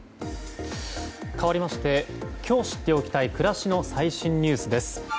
かわりまして今日知っておきたい暮らしの最新ニュースです。